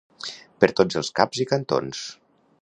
Per tots els caps i cantons.